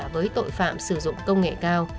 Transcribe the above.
với tội phạm sử dụng công nghệ cao